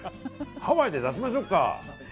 ハワイで出しましょうか。